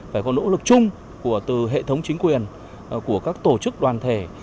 phải có nỗ lực chung từ hệ thống chính quyền của các tổ chức đoàn thể